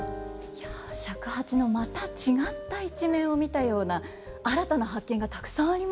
いや尺八のまた違った一面を見たような新たな発見がたくさんありました。